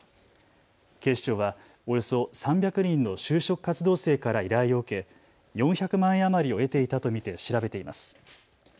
警視庁はおよそ３００人の就職活動生から依頼を受け４００万円余りを得ていたと見て調べています。